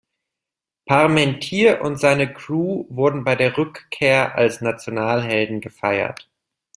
Parmentier und seine Crew wurden bei der Rückkehr als Nationalhelden gefeiert.